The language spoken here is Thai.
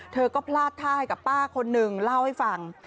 เธอก็พลาดท่าให้กับป้าคนหนึ่งเล่าให้ฟัง